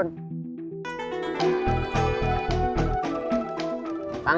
hanya hati aja dong